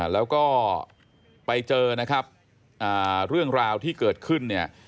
แล้วก็ไปเจอนะครับเรื่องราวที่เกิดขึ้นเนี่ย